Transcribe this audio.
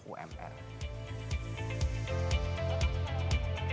kesalahan yang terjadi ketika anda memiliki penghasilan umr yang lebih tinggi